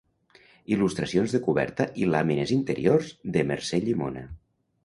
Il·lustracions de coberta i làmines interiors de Mercè Llimona.